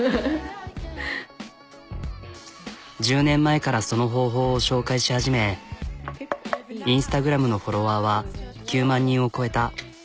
１０年前からその方法を紹介し始めＩｎｓｔａｇｒａｍのフォロワーは９万人を超えた。